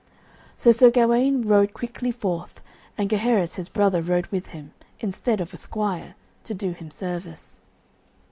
So Sir Gawaine rode quickly forth, and Gaheris his brother rode with him, instead of a squire, to do him service.